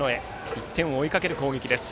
１点を追いかける攻撃です。